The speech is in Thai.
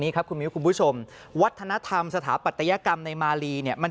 ครับคุณมิ้วคุณผู้ชมวัฒนธรรมสถาปัตยกรรมในมาลีเนี่ยมัน